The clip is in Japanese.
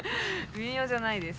微妙じゃないです。